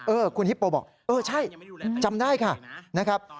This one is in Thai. คุณฮิปโปบอกเออใช่จำได้ค่ะนะครับ